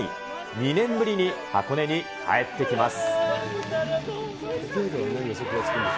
２年ぶりに箱根に帰ってきます。